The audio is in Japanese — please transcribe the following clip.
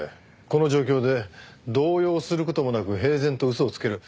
この状況で動揺する事もなく平然と嘘をつける。